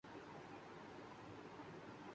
خمِ دستِ نوازش ہو گیا ہے طوق گردن میں